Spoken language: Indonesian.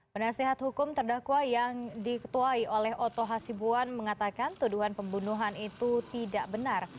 penasehat hukum terdakwa yang diketuai oleh oto hasibuan mengatakan tuduhan pembunuhan itu tidak benar